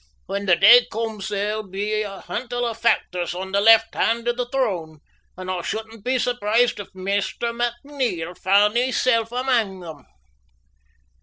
When the day comes there'll be a hantle o' factors on the left hand o' the throne, and I shouldna be surprised if Maister McNeil found himsel' amang them.